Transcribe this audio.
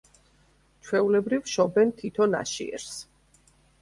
ჩვეულებრივ შობენ თითო ნაშიერს.